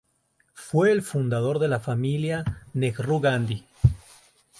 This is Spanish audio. Fue el fundador de la familia Nehru-Gandhi.